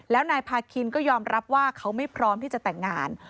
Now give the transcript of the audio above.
แล้วนายพาคินก็ยอมรับว่าเขาไม่พร้อมที่จะแต่งงาน